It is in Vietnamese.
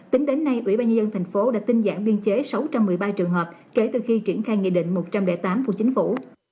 tính đến nay ủy ban nhân dân tp hcm đã tình dạng biên chế sáu trăm một mươi ba trường hợp kể từ khi triển khai nghị định một trăm linh tám của chính phủ